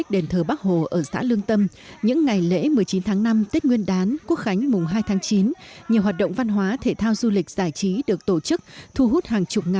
đền thờ bắc hồ đã được dọn dẹp cho khang trang tại đền thờ bắc hồ vào dịp lễ một mươi chín tháng năm